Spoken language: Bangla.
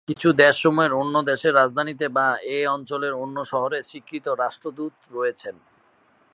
কিছু দেশসমূহের অন্য দেশের রাজধানীতে বা এ অঞ্চলের অন্য শহরে স্বীকৃত রাষ্ট্রদূত রয়েছে।